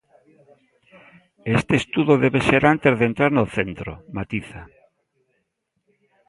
E este estudo debe ser antes de entrar no centro, matiza.